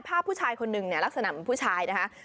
ภาพผู้ชายคนหนึ่งลักษณะเป็นผู้ชายนะ